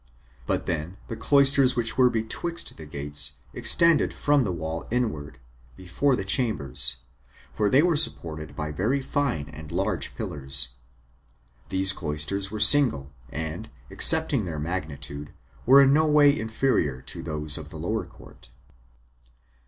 But then the cloisters which were betwixt the gates extended from the wall inward, before the chambers; for they were supported by very fine and large pillars. These cloisters were single, and, excepting their magnitude, were no way inferior to those of the lower court.